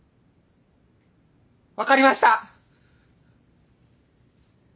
分かりました！